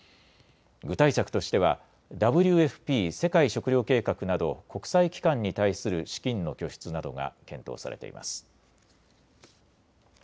具体策としてはＷＦＰ・世界食糧計画など国際機関に対する資金の拠出などが検討されています。